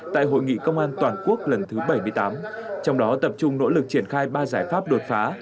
tại hội nghị công an toàn quốc lần thứ bảy mươi tám trong đó tập trung nỗ lực triển khai ba giải pháp đột phá